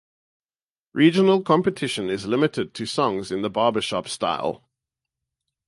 Regional competition is limited to songs in the barbershop style.